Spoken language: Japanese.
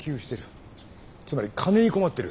つまり金に困ってる。